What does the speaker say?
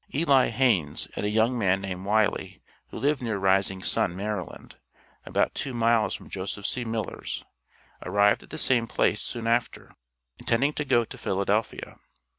Eli Haines and a young man named Wiley, who lived near Rising Sun, Maryland, about two miles from Joseph C. Miller's, arrived at the same place soon after, intending to go to Philadelphia.